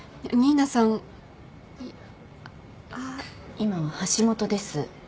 今は橋本です。